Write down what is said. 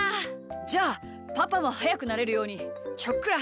じゃあパパもはやくなれるようにちょっくらはしってくるか。